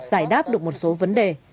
giải đáp được một số vấn đề